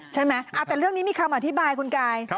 ใช่ไหมแต่เรื่องนี้มีคำอธิบายคุณกาย